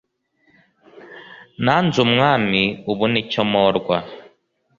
nanze umwami ubu ni cyo mporwa?